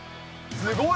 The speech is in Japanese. すごい。